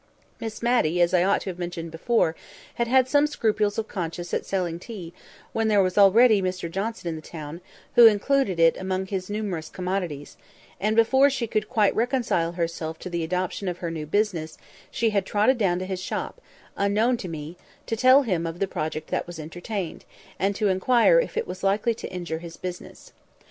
Miss Matty, as I ought to have mentioned before, had had some scruples of conscience at selling tea when there was already Mr Johnson in the town, who included it among his numerous commodities; and, before she could quite reconcile herself to the adoption of her new business, she had trotted down to his shop, unknown to me, to tell him of the project that was entertained, and to inquire if it was likely to injure his business.